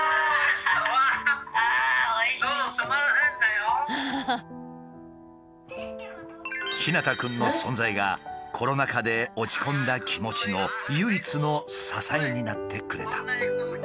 太陽くんの存在がコロナ禍で落ち込んだ気持ちの唯一の支えになってくれた。